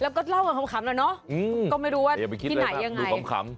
แล้วก็เล่ากันขำเลยเนาะอย่าไปคิดเลยดูขำ